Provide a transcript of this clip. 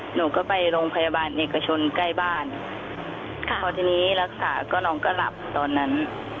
หนูก็ไปโรงพยาบาลเอกชนใกล้บ้านค่ะพอทีนี้รักษาก็น้องก็หลับตอนนั้น